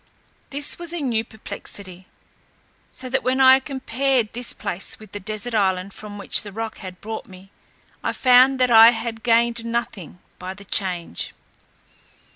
This was a new perplexity: so that when I compared this place with the desert island from which the roc had brought me, I found that I had gained nothing by the change.